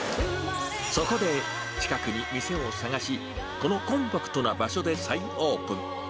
そこで、近くに店を探し、このコンパクトな場所で再オープン。